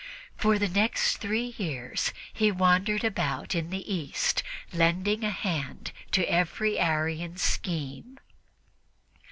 For the next three years he wandered about in the East, lending a hand to every Arian scheme.